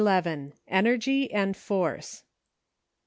ENERGY AND FORCE.